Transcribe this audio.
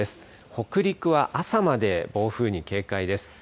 北陸は朝まで暴風に警戒です。